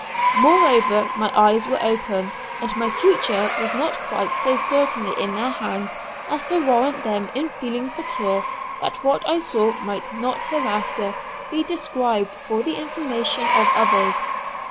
Moreover, my eyes were open, and my future was not quite so certainly in their hands as to warrant them in feeling secure that what I saw might not hereafter be described for the information of others.